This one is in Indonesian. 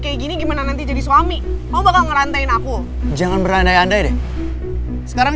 kayak gini gimana nanti jadi suami kau bakal merantai aku jangan berandai andai sekarang